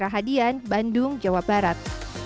hadian bandung jawa barat